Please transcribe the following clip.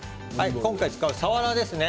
今回、使うさわらです。